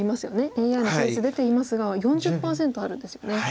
ＡＩの勝率出ていますが４０％あるんですよね。